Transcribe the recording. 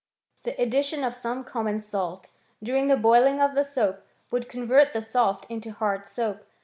The addition of some common salt, during the boiling of the soap, would convert the soft into hard soap.